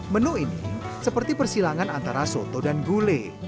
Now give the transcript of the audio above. menu ini seperti persilangan antara soto dan gulai